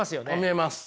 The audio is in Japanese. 見えます。